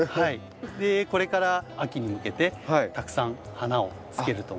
これから秋に向けてたくさん花をつけると思います。